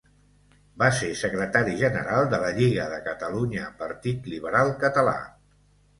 Va ser Secretari General de la Lliga de Catalunya-Partit Liberal Català.